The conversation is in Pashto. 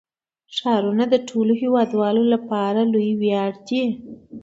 ښارونه د ټولو هیوادوالو لپاره لوی ویاړ دی.